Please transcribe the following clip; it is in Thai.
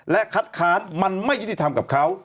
และคัดค้านมันไม่ยุติธรรมกับเขา